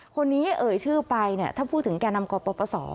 เอ่ยชื่อไปเนี่ยถ้าพูดถึงแก่นำกปศ